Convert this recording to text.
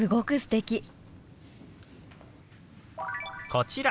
こちら。